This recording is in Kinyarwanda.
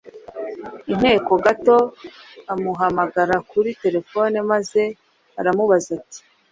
inteko gato amuhamagara kuri terefone maze aramubaza ati: